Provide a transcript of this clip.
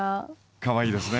かわいいですね。